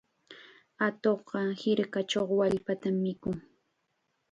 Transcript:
Atuqqa hirkachaw wallpatam mikun.